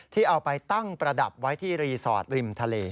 ที่เอาไปตั้งประดับไว้ที่รีสอร์ทริมทะเล